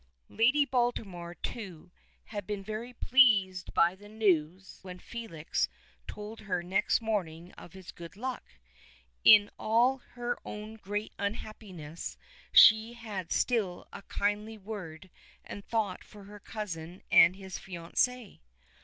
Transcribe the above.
Lady Baltimore, too, had been very pleased by the news when Felix told her next morning of his good luck. In all her own great unhappiness she had still a kindly word and thought for her cousin and his fiancée.